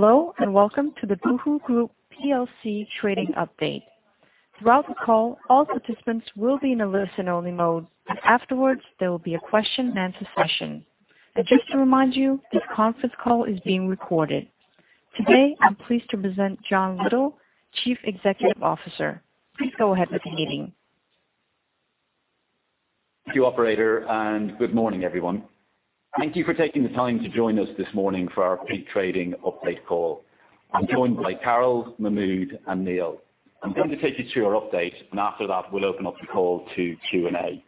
Hello, and welcome to the Boohoo Group PLC trading update. Throughout the call, all participants will be in a listen-only mode, and afterwards, there will be a question and answer session. Just to remind you, this conference call is being recorded. Today, I'm pleased to present John Lyttle, Chief Executive Officer. Please go ahead with the meeting. Thank you, operator, and good morning, everyone. Thank you for taking the time to join us this morning for our peak trading update call. I'm joined by Carol, Mahmud, and Neil. I'm going to take you through our update, and after that, we'll open up the call to Q&A.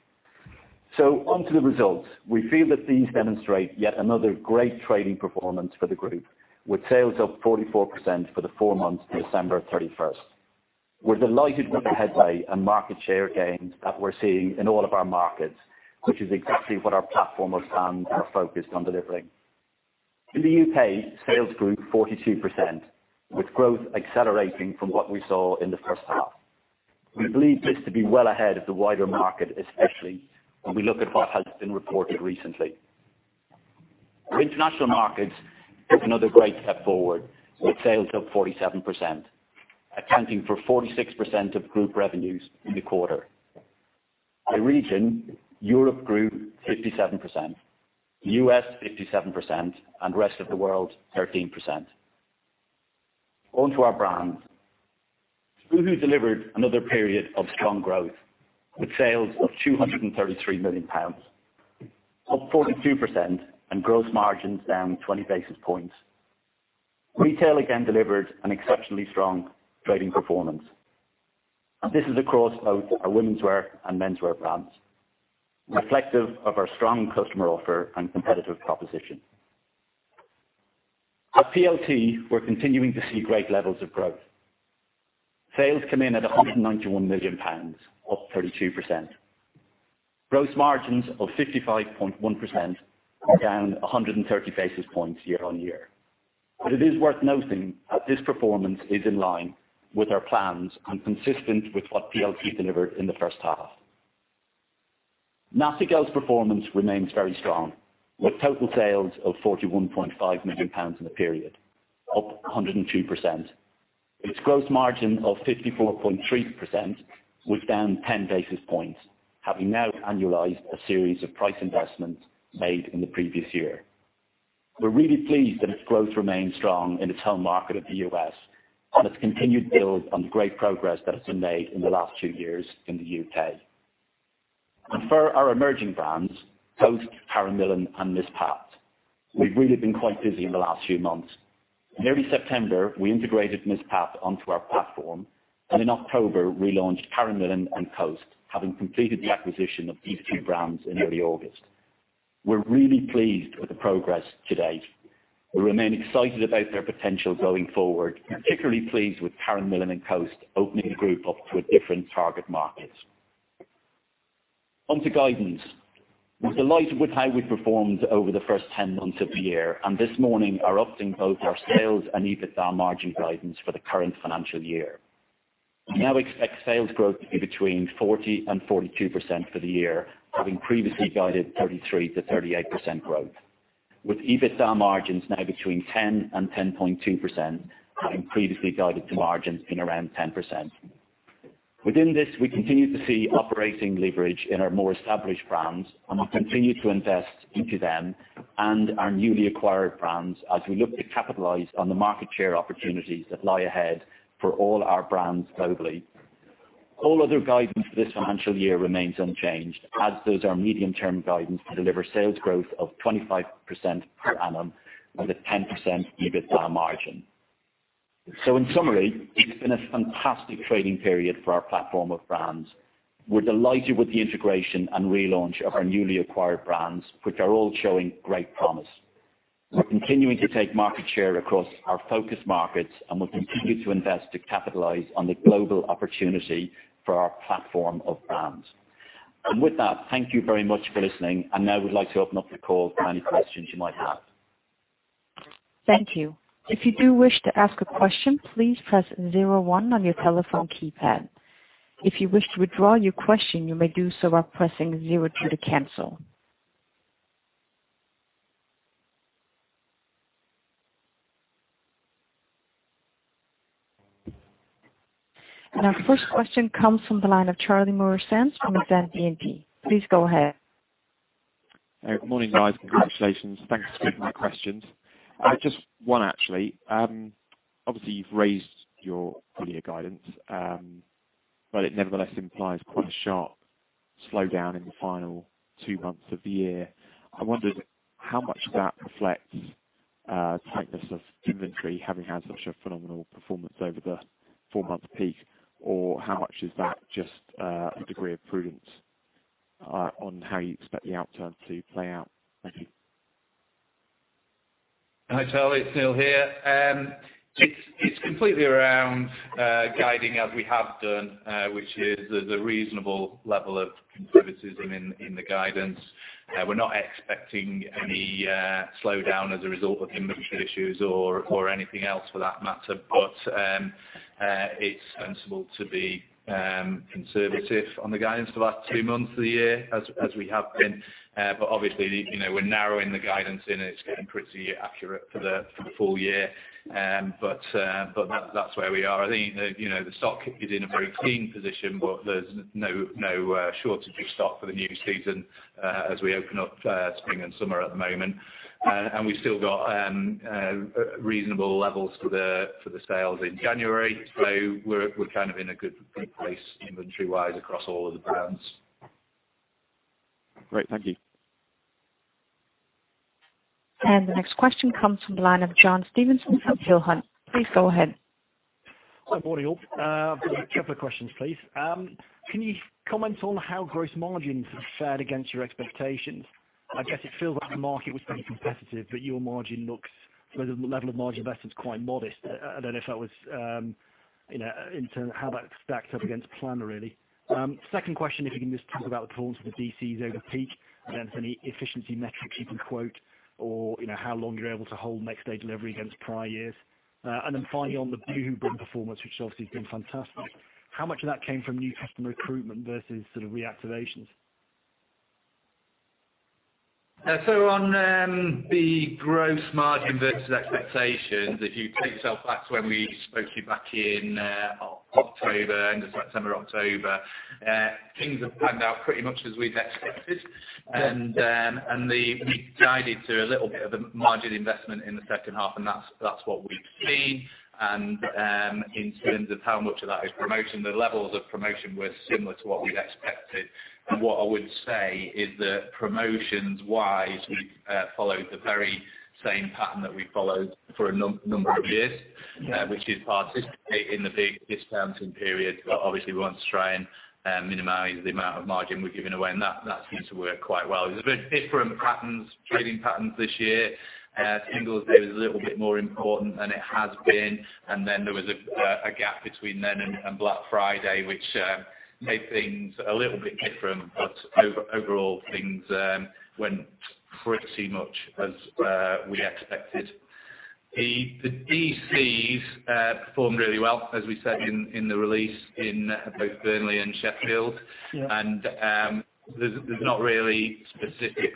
Onto the results. We feel that these demonstrate yet another great trading performance for the group, with sales up 44% for the four months to December thirty-first. We're delighted with the headway and market share gains that we're seeing in all of our markets, which is exactly what our platform of brands are focused on delivering. In the U.K., sales grew 42%, with growth accelerating from what we saw in the first half. We believe this to be well ahead of the wider market, especially when we look at what has been reported recently.nnn Our international markets took another great step forward, with sales up 47%, accounting for 46% of group revenues in the quarter. By region, Europe grew 57%, U.S., 57%, and rest of the world, 13%. On to our brands. Boohoo delivered another period of strong growth, with sales of 233 million pounds, up 42% and gross margins down 20 basis points. Retail again delivered an exceptionally strong trading performance, and this is across both our womenswear and menswear brands, reflective of our strong customer offer and competitive proposition. At PLT, we're continuing to see great levels of growth. Sales come in at 191 million pounds, up 32%. Gross margins of 55.1%, are down 130 basis points year-on-year. But it is worth noting that this performance is in line with our plans and consistent with what PLT delivered in the first half. Nasty Gal's performance remains very strong, with total sales of 41.5 million pounds in the period, up 102%. Its gross margin of 54.3% was down 10 basis points, having now annualized a series of price investments made in the previous year. We're really pleased that its growth remains strong in its home market of the U.S., and it's continued to build on the great progress that has been made in the last two years in the U.K. And for our emerging brands, Coast, Karen Millen, and MissPap, we've really been quite busy in the last few months. In early September, we integrated MissPap onto our platform, and in October, relaunched Karen Millen and Coast, having completed the acquisition of these two brands in early August. We're really pleased with the progress to date. We remain excited about their potential going forward, particularly pleased with Karen Millen and Coast opening the group up to a different target market. On to guidance. We're delighted with how we've performed over the first 10 months of the year, and this morning are upping both our sales and EBITDA margin guidance for the current financial year. We now expect sales growth to be between 40% and 42% for the year, having previously guided 33%-38% growth, with EBITDA margins now between 10% and 10.2%, having previously guided to margins being around 10%. Within this, we continue to see operating leverage in our more established brands, and we'll continue to invest into them and our newly acquired brands as we look to capitalize on the market share opportunities that lie ahead for all our brands globally. All other guidance for this financial year remains unchanged, as does our medium-term guidance to deliver sales growth of 25% per annum and a 10% EBITDA margin. So in summary, it's been a fantastic trading period for our platform of brands. We're delighted with the integration and relaunch of our newly acquired brands, which are all showing great promise. We're continuing to take market share across our focus markets, and we'll continue to invest to capitalize on the global opportunity for our platform of brands. With that, thank you very much for listening, and now we'd like to open up the call for any questions you might have. Thank you. If you do wish to ask a question, please press zero one on your telephone keypad. If you wish to withdraw your question, you may do so by pressing zero two to cancel. Our first question comes from the line of Charlie Muir-Sands from Exane BNP Paribas. Please go ahead. Good morning, guys, and congratulations. Thanks for taking my questions. Just one, actually. Obviously, you've raised your full year guidance, but it nevertheless implies quite a sharp slowdown in the final two months of the year. I wondered how much that reflects, tightness of inventory, having had such a phenomenal performance over the four-month peak, or how much is that just, a degree of prudence, on how you expect the outturn to play out? Thank you. Hi, Charlie, it's Neil here. It's completely around guiding as we have done, which is the reasonable level of conservatism in the guidance.... we're not expecting any, slowdown as a result of inventory issues or, or anything else for that matter, but, it's sensible to be, conservative on the guidance for the last two months of the year as, as we have been. But obviously, you know, we're narrowing the guidance in, and it's getting pretty accurate for the, for the full year. But, but that, that's where we are. I think, you know, the stock is in a very clean position, but there's no, no, shortage of stock for the new season, as we open up, spring and summer at the moment. And, and we've still got, reasonable levels for the, for the sales in January. So we're, we're kind of in a good, good place inventory-wise across all of the brands. Great. Thank you. And the next question comes from the line of John Stevenson from Peel Hunt. Please go ahead. Good morning, all. A couple of questions, please. Can you comment on how gross margins have fared against your expectations? I guess it feels like the market was pretty competitive, but your margin looks, well, the level of margin investment is quite modest. I don't know if that was, you know, in terms of how that stacked up against plan, really. Second question, if you can just talk about the performance of the DCs over the peak, and then if any efficiency metrics you can quote or, you know, how long you're able to hold next day delivery against prior years. And then finally, on the Boohoo brand performance, which obviously has been fantastic, how much of that came from new customer recruitment versus sort of reactivations? So on the gross margin versus expectations, if you take yourself back to when we spoke to you back in October, end of September, October, things have panned out pretty much as we'd expected. And we guided to a little bit of a margin investment in the second half, and that's, that's what we've seen. And in terms of how much of that is promotion, the levels of promotion were similar to what we'd expected. And what I would say is that promotions-wise, we followed the very same pattern that we followed for a number of years, which is participate in the big discounting period. But obviously, we want to try and minimize the amount of margin we're giving away, and that, that seems to work quite well. There's been different patterns, trading patterns this year. Singles Day was a little bit more important than it has been, and then there was a gap between then and Black Friday, which made things a little bit different. But overall, things went pretty much as we expected. The DCs performed really well, as we said in the release, in both Burnley and Sheffield. Yeah. And, there's not really specific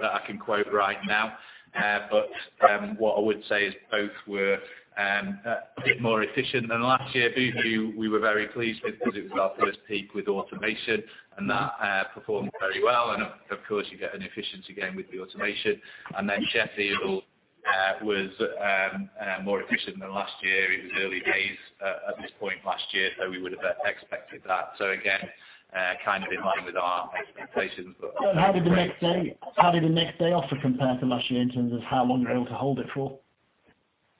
that I can quote right now. But what I would say is both were a bit more efficient than last year. Boohoo, we were very pleased with because it was our first peak with automation, and that performed very well. And of course, you get an efficiency gain with the automation. And then Sheffield was more efficient than last year. It was early days at this point last year, so we would have expected that. So again, kind of in line with our expectations, but- How did the next day offer compare to last year in terms of how long you were able to hold it for?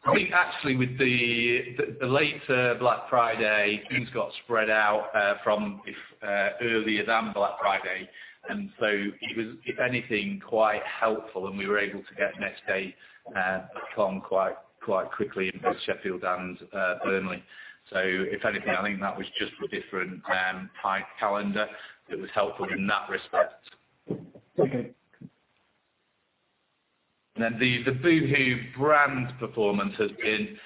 I think actually with the later Black Friday, things got spread out from earlier than Black Friday. And so it was, if anything, quite helpful, and we were able to get next day come quite quickly in both Sheffield and Burnley. So if anything, I think that was just a different time calendar that was helpful in that respect. Okay. Then the Boohoo brand performance has been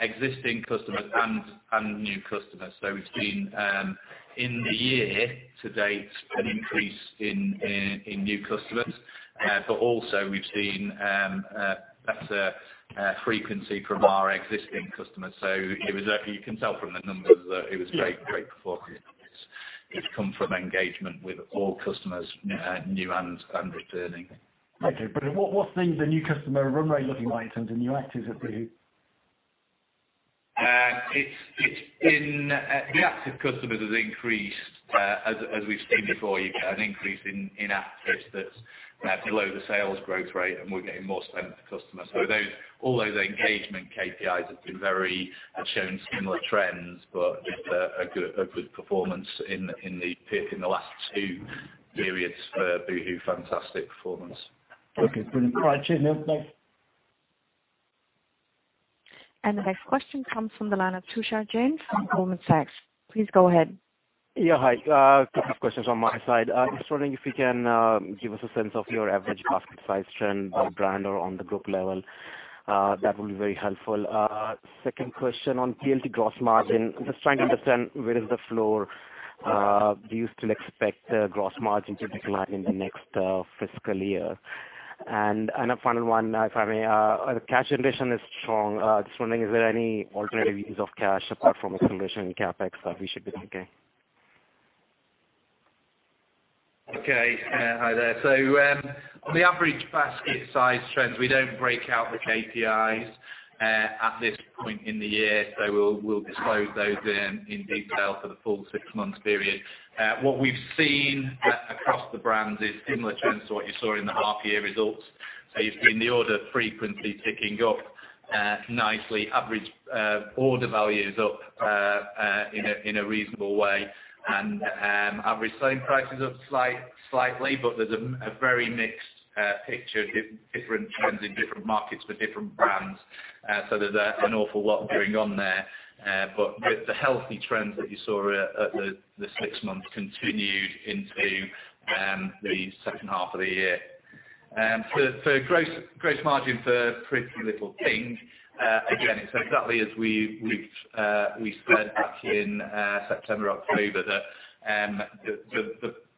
existing customers and new customers. So we've seen, in the year to date, an increase in new customers, but also we've seen better frequency from our existing customers. So it was, you can tell from the numbers that it was great, great performance. Yeah. It's come from engagement with all customers, new and returning. Thank you. But what's the new customer runway looking like in terms of new actives at Boohoo? It's been... The active customers has increased. As we've seen before, you get an increase in actives that's below the sales growth rate, and we're getting more spend per customer. So those, all those engagement KPIs have shown similar trends, but a good performance in the peak, in the last two periods for Boohoo. Fantastic performance. Okay, brilliant. All right, cheers, Neil. Thanks. The next question comes from the line of Tushar Jain from Goldman Sachs Group, Inc.. Please go ahead. Yeah, hi. A couple of questions on my side. Just wondering if you can give us a sense of your average basket size trend by brand or on the group level? That would be very helpful. Second question on PLT gross margin, just trying to understand where is the floor. Do you still expect the gross margin to decline in the next fiscal year? And, and a final one, if I may, the cash generation is strong. Just wondering, is there any alternative use of cash apart from acquisition and CapEx that we should be looking? Okay, hi there. So, on the average basket size trends, we don't break out the KPIs at this point in the year, so we'll disclose those in detail for the full six months period. What we've seen across the brands is similar trends to what you saw in the half year results. So you've seen the order frequency ticking up nicely, average order values up in a reasonable way and average selling prices up slightly, but there's a very mixed picture, different trends in different markets for different brands. So there's an awful lot going on there. But with the healthy trends that you saw at the six months continued into the second half of the year. For gross margin for PrettyLittleThing, again, it's exactly as we said back in September, October, that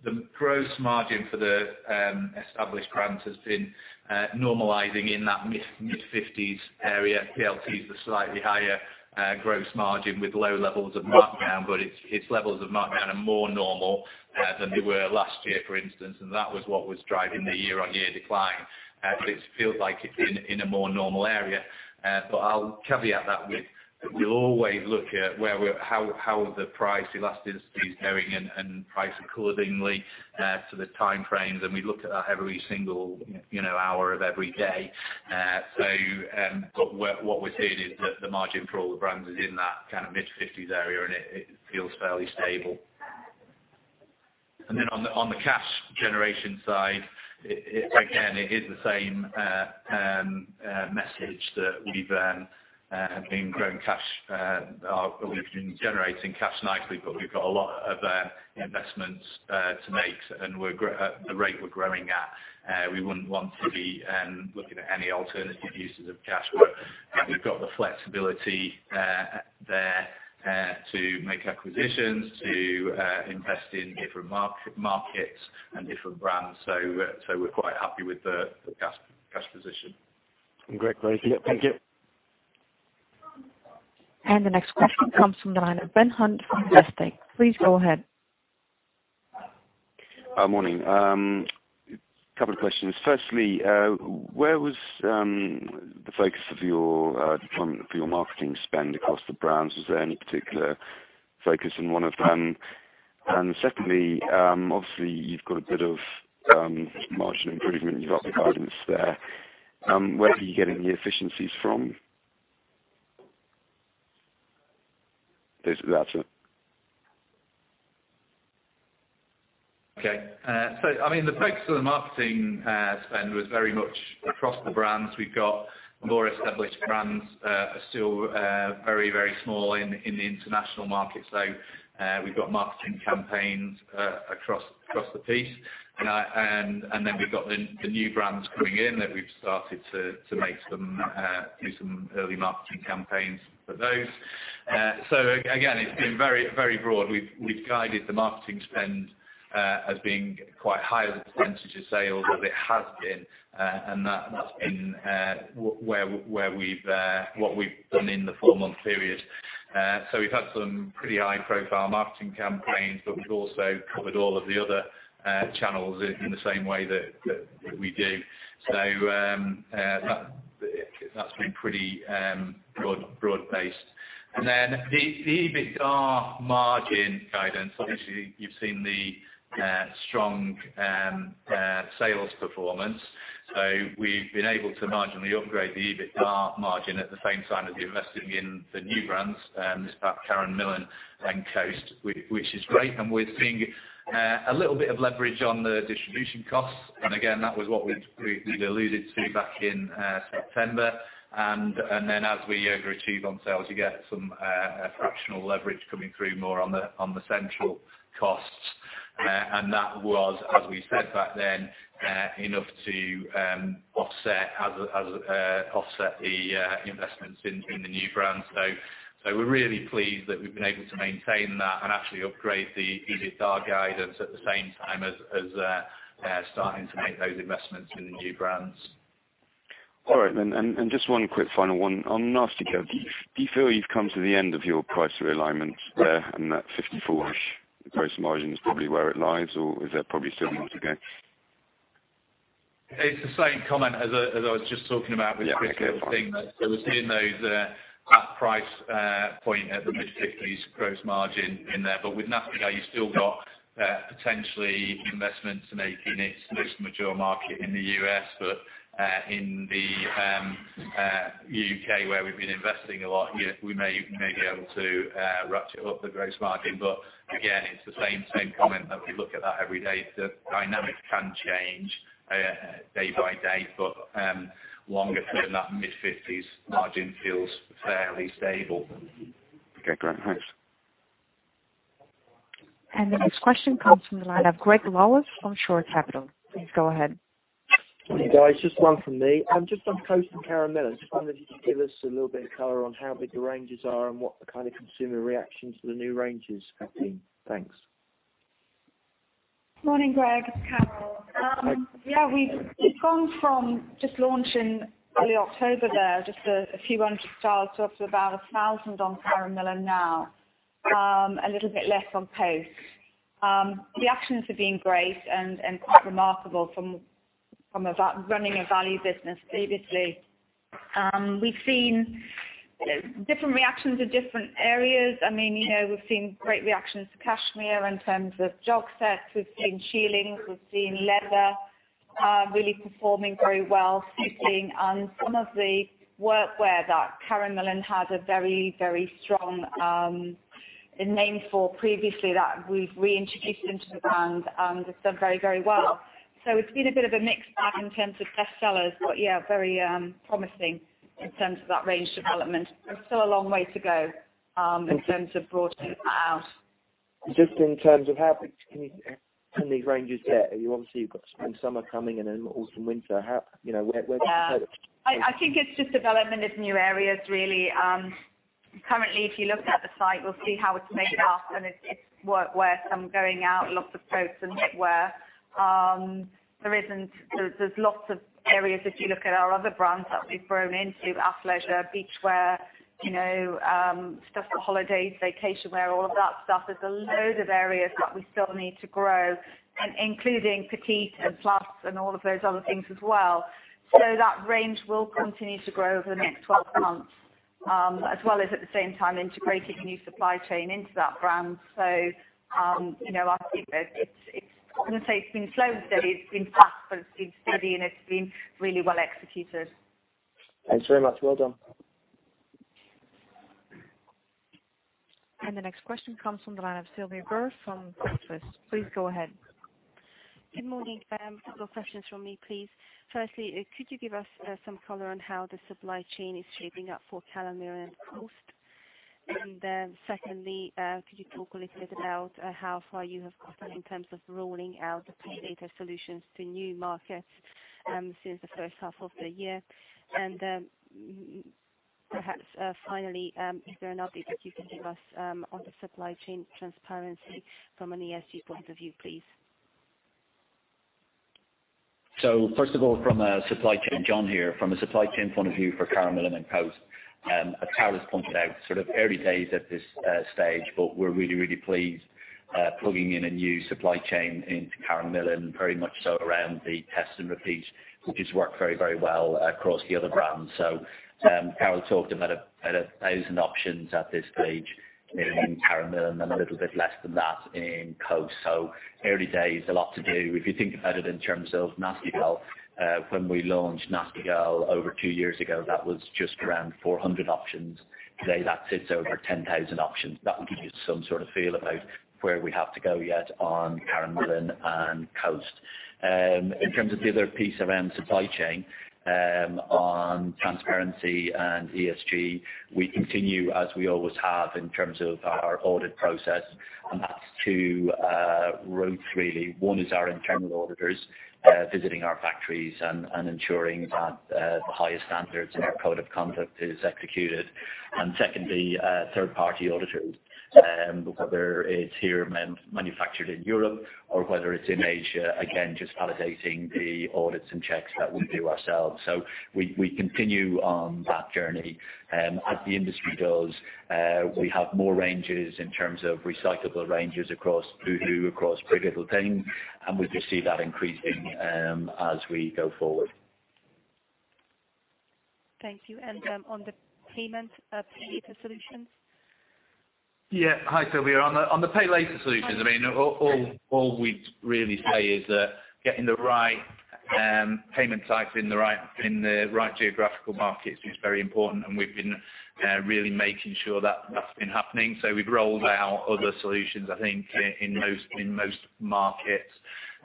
the gross margin for the established brands has been normalizing in that mid-fifties area. PLT is a slightly higher gross margin with low levels of markdown, but its levels of markdown are more normal than they were last year, for instance, and that was what was driving the year-on-year decline. But it feels like it's in a more normal area. But I'll caveat that with, we'll always look at how the price elasticity is going and price accordingly to the time frames, and we look at that every single, you know, hour of every day. So, but what, what we're seeing is that the margin for all the brands is in that kind of mid-fifties area, and it, it feels fairly stable. And then on the, on the cash generation side, it, it again, it is the same, message that we've, been growing cash, or we've been generating cash nicely, but we've got a lot of, investments, to make, and the rate we're growing at, we wouldn't want to be, looking at any alternative uses of cash. But we've got the flexibility, there, to make acquisitions, to, invest in different market, markets and different brands. So, so we're quite happy with the, the cash, cash position. Great. Great. Yeah, thank you. The next question comes from the line of Ben Hunt from Investec. Please go ahead. Morning. Couple of questions. Firstly, where was the focus of your from your marketing spend across the brands? Was there any particular focus on one of them? And secondly, obviously, you've got a bit of margin improvement. You've got the guidance there. Where are you getting the efficiencies from? That's it. Okay, so I mean, the focus of the marketing spend was very much across the brands. We've got more established brands are still very, very small in the international market. So, we've got marketing campaigns across the piece. And then we've got the new brands coming in that we've started to do some early marketing campaigns for those. So again, it's been very, very broad. We've guided the marketing spend as being quite high as a percentage of sales, as it has been, and that's been what we've done in the four-month period. So we've had some pretty high-profile marketing campaigns, but we've also covered all of the other channels in the same way that we do. So, that's been pretty broad-based. And then the EBITDA margin guidance, obviously, you've seen the strong sales performance. So we've been able to marginally upgrade the EBITDA margin at the same time as investing in the new brands, MissPap, Karen Millen and Coast, which is great. And we're seeing a little bit of leverage on the distribution costs. And again, that was what we alluded to back in September. And then as we overachieve on sales, you get some fractional leverage coming through more on the central costs. And that was, as we said back then, enough to offset the investments in the new brands. So we're really pleased that we've been able to maintain that and actually upgrade the EBITDA guidance at the same time as starting to make those investments in the new brands. All right, then, just one quick final one. On Nasty Gal, do you feel you've come to the end of your price realignment there, and that 54-ish gross margin is probably where it lies, or is there probably still more to go? It's the same comment as I was just talking about with PrettyLittleThing. Yeah, okay, fine. So we're seeing those at price point at the mid-fifties gross margin in there. But with Nasty Gal, you've still got potentially investments to make in its most mature market in the U.S. But in the U.K., where we've been investing a lot, we may be able to ratchet up the gross margin. But again, it's the same comment that we look at that every day. The dynamics can change day by day, but longer term, that mid-fifties margin feels fairly stable. Okay, great. Thanks. The next question comes from the line of Greg Lawless from Shore Capital. Please go ahead. Morning, guys, just one from me. Just on Coast and Karen Millen, just wonder if you could give us a little bit of color on how big the ranges are and what the kind of consumer reaction to the new ranges have been? Thanks. Morning, Greg, it's Carol. Hi. Yeah, we've gone from just launching early October there, just a few hundred styles to up to about 1,000 on Karen Millen now, a little bit less on Coast. Reactions have been great and quite remarkable from about running a value business previously. We've seen different reactions to different areas. I mean, you know, we've seen great reactions to cashmere in terms of jog sets. We've seen shearling, we've seen leather, really performing very well, stitching on some of the workwear that Karen Millen had a very, very strong, the name for previously that we've reintroduced into the brand, and it's done very, very well. So it's been a bit of a mixed bag in terms of best sellers, but yeah, very promising in terms of that range development. There's still a long way to go, in terms of broadening that out. Just in terms of how can these ranges get? You obviously, you've got spring, summer coming and then autumn, winter. How—you know, where does it go? Yeah. I think it's just development of new areas, really. Currently, if you look at the site, you'll see how it's made up, and it's workwear, some going out, lots of coats and knitwear. There's lots of areas, if you look at our other brands, that we've grown into, athleisure, beachwear, you know, stuff for holidays, vacation wear, all of that stuff. There's a load of areas that we still need to grow, and including petite and plus, and all of those other things as well. So that range will continue to grow over the next 12 months, as well as, at the same time, integrating a new supply chain into that brand. So, you know, I think that it's. I was gonna say it's been slow and steady. It's been fast, but it's been steady, and it's been really well executed. Thanks very much. Well done. The next question comes from the line of Sylvia [Goh] from [Fortress]. Please go ahead. Good morning. A couple of questions from me, please. Firstly, could you give us some color on how the supply chain is shaping up for Karen Millen Coast? And then secondly, could you talk a little bit about how far you have gotten in terms of rolling out the pay later solutions to new markets since the first half of the year? And perhaps finally, is there an update that you can give us on the supply chain transparency from an ESG point of view, please? So first of all, from a supply chain, John here. From a supply chain point of view for Karen Millen and Coast, as Carol has pointed out, sort of early days at this stage, but we're really, really pleased, plugging in a new supply chain into Karen Millen, very much so around the test and repeat, which has worked very, very well across the other brands. So, Carol talked about about 1,000 options at this stage in Karen Millen and a little bit less than that in Coast. So early days, a lot to do. If you think about it in terms of Nasty Gal, when we launched Nasty Gal over 2 years ago, that was just around 400 options. Today, that sits over 10,000 options. That will give you some sort of feel about where we have to go yet on Karen Millen and Coast. In terms of the other piece around supply chain, on transparency and ESG, we continue as we always have in terms of our audit process, and that's two roads, really. One is our internal auditors visiting our factories and ensuring that the highest standards in our code of conduct is executed. And secondly, third-party auditors, whether it's manufactured in Europe or whether it's in Asia, again, just validating the audits and checks that we do ourselves. So we continue on that journey. As the industry does, we have more ranges in terms of recyclable ranges across Boohoo, across PrettyLittleThing, and we just see that increasing as we go forward. Thank you. On the payment, pay later solutions? Yeah. Hi, Sylvia. On the pay later solutions, I mean, all we'd really say is that getting the right payment type in the right geographical markets is very important, and we've been really making sure that that's been happening. So we've rolled out other solutions, I think, in most markets.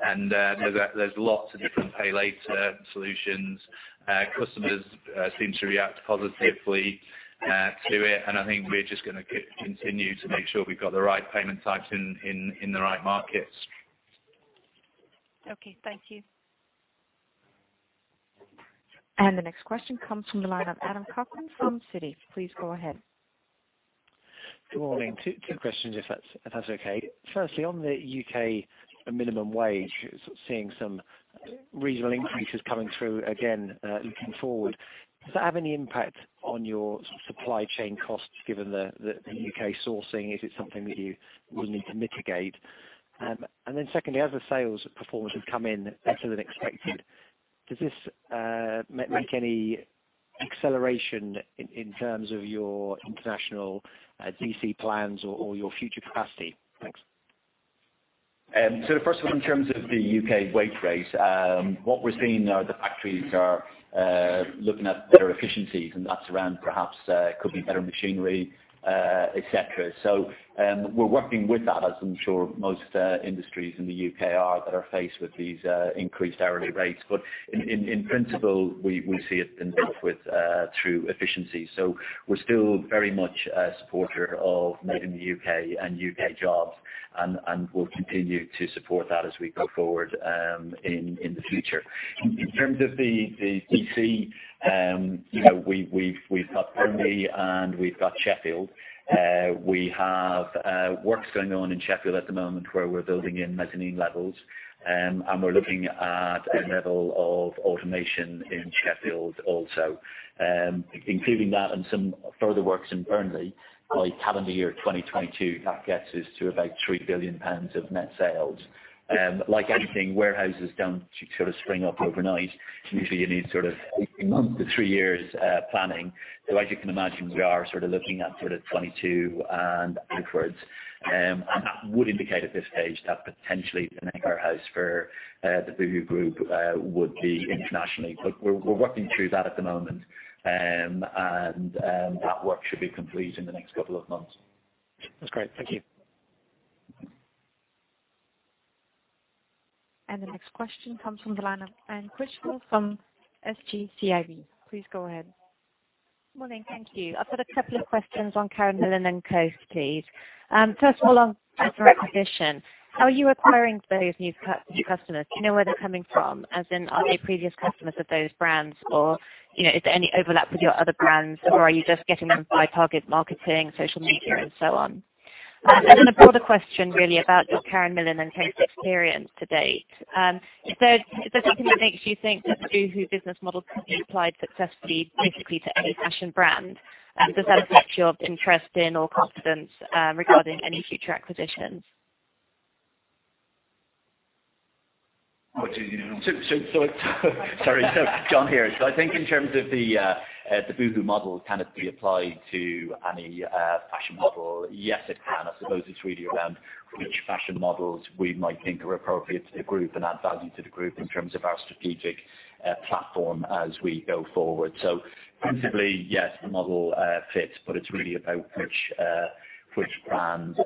And there's lots of different pay later solutions. Customers seem to react positively to it, and I think we're just gonna continue to make sure we've got the right payment types in the right markets. Okay. Thank you. The next question comes from the line of Adam Cochran from Citi. Please go ahead. Good morning. Two questions, if that's okay. Firstly, on the U.K. minimum wage, seeing some reasonable increases coming through again, looking forward, does that have any impact on your supply chain costs, given the U.K. sourcing? Is it something that you would need to mitigate? And then secondly, as the sales performance has come in better than expected, does this make any acceleration in terms of your international DC plans or your future capacity? Thanks. So the first one, in terms of the U.K. wage rate, what we're seeing are the factories are looking at their efficiencies, and that's around perhaps could be better machinery, et cetera. So, we're working with that, as I'm sure most industries in the U.K. are, that are faced with these increased hourly rates. But in principle, we see it in line with through efficiency. So we're still very much a supporter of made in the U.K and U.K. jobs, and we'll continue to support that as we go forward, in the future. In terms of the DC, you know, we've got Burnley and we've got Sheffield. We have works going on in Sheffield at the moment where we're building in mezzanine levels, and we're looking at a level of automation in Sheffield also. Including that and some further works in Burnley, by calendar year 2022, that gets us to about 3 billion pounds of net sales. Like anything, warehouses don't sort of spring up overnight. Usually, you need sort of 18 months to 3 years planning. So as you can imagine, we are sort of looking at sort of 2022 and afterwards, and that would indicate at this stage that potentially the next warehouse for the Boohoo Group would be internationally. But we're working through that at the moment. And that work should be complete in the next couple of months. That's great. Thank you. ... And the next question comes from the line of Anne Critchlow from Société Générale. Please go ahead. Good morning. Thank you. I've got a couple of questions on Karen Millen and Coast, please. First of all, on acquisition, how are you acquiring those new customers? Do you know where they're coming from? As in, are they previous customers of those brands, or, you know, is there any overlap with your other brands, or are you just getting them by target marketing, social media, and so on? And then a broader question really about your Karen Millen and Coast experience to date. Is there something that makes you think that the Boohoo business model can be applied successfully, basically, to any fashion brand? Does that affect your interest in or confidence regarding any future acquisitions? So sorry, John here. So I think in terms of the Boohoo model, can it be applied to any fashion model? Yes, it can. I suppose it's really around which fashion models we might think are appropriate to the group and add value to the group in terms of our strategic platform as we go forward. So principally, yes, the model fits, but it's really about which brand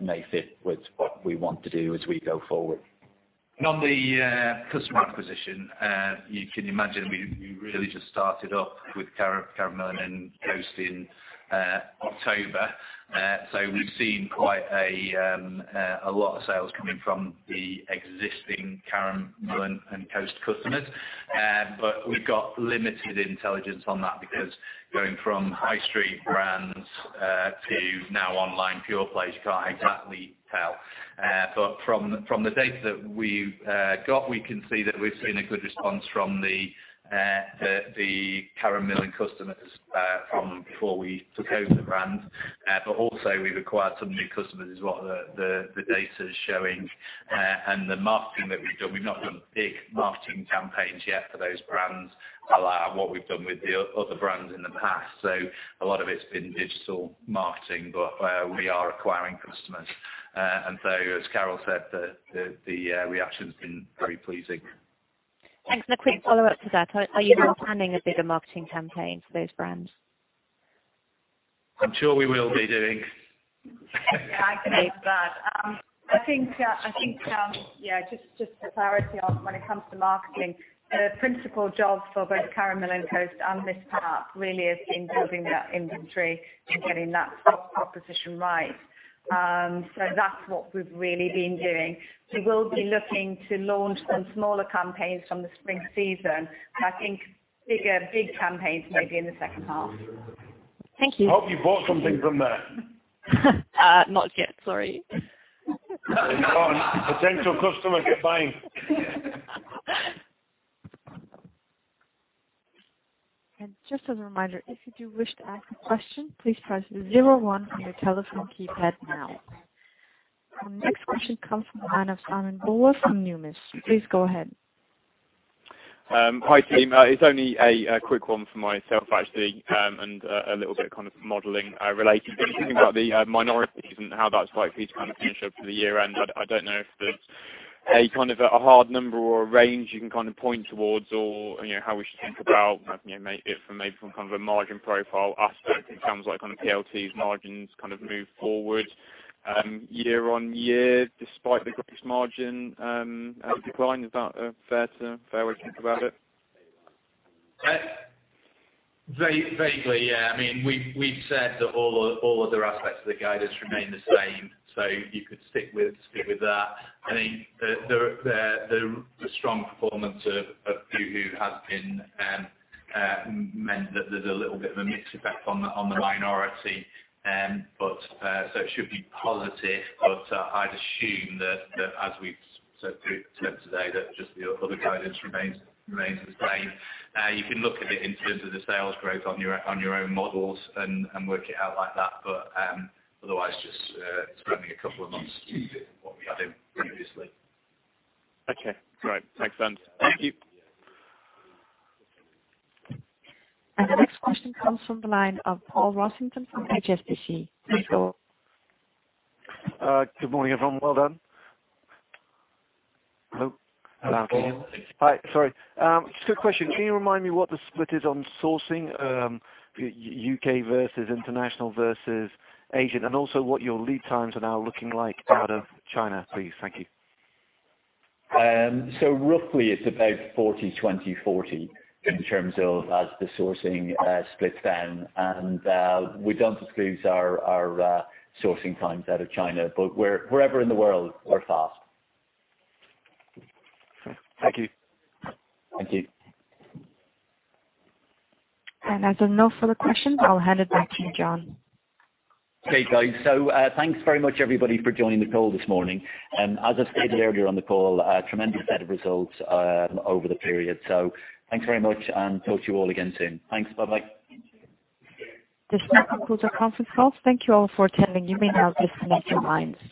may fit with what we want to do as we go forward. And on the customer acquisition, you can imagine we really just started off with Karen, Karen Millen and Coast in October. So we've seen quite a lot of sales coming from the existing Karen Millen and Coast customers. But we've got limited intelligence on that because going from high street brands to now online pure plays, you can't exactly tell. But from the data that we've got, we can see that we've seen a good response from the Karen Millen customers from before we took over the brand. But also we've acquired some new customers, is what the data is showing. The marketing that we've done, we've not done big marketing campaigns yet for those brands, a la what we've done with the other brands in the past. So a lot of it's been digital marketing, but we are acquiring customers. And so as Carol said, the reaction's been very pleasing. Thanks. And a quick follow-up to that. Are you now planning a bigger marketing campaign for those brands? I'm sure we will be doing. Yeah, I can add to that. I think, yeah, just for clarity on when it comes to marketing, the principal jobs for both Karen Millen and Coast and Miss Selfridge really has been building that inventory and getting that proposition right. So that's what we've really been doing. We will be looking to launch some smaller campaigns from the spring season, but I think bigger, big campaigns maybe in the second half. Thank you. I hope you bought something from there. Not yet. Sorry. Potential customer you're buying. Just as a reminder, if you do wish to ask a question, please press zero one on your telephone keypad now. Our next question comes from the line of Simon Bowler from Numis. Please go ahead. Hi, team. It's only a quick one from myself, actually, and a little bit kind of modeling related. Just thinking about the minority interests and how that's likely to kind of finish up for the year end. I don't know if there's kind of a hard number or a range you can kind of point towards or, you know, how we should think about, you know, maybe from kind of a margin profile aspect in terms of like, kind of PLT's margins kind of move forward, year-over-year, despite the gross margin decline. Is that a fair way to think about it? Vaguely, yeah. I mean, we've said that all other aspects of the guidance remain the same, so you could stick with that. I think the strong performance of Boohoo has meant that there's a little bit of a mixed effect on the minority. But, so it should be positive, but I'd assume that as we've said today, that just the other guidance remains the same. You can look at it in terms of the sales growth on your own models and work it out like that, but otherwise, it's probably a couple of months to what we had in previously. Okay. Right. Makes sense. Thank you. The next question comes from the line of Paul Rossington from HSBC. Good morning, everyone. Well done. Hello? Hi, sorry. Just a quick question. Can you remind me what the split is on sourcing, U.K. versus international versus Asia, and also what your lead times are now looking like out of China, please? Thank you. So roughly it's about 40, 20, 40 in terms of as the sourcing splits down. We don't disclose our sourcing times out of China, but wherever in the world, we're fast. Thank you. Thank you. As there are no further questions, I'll hand it back to you, John. Okay, guys. So, thanks very much, everybody, for joining the call this morning. As I stated earlier on the call, a tremendous set of results over the period. So thanks very much, and talk to you all again soon. Thanks. Bye-bye. This now concludes our conference call. Thank you all for attending. You may now disconnect your lines.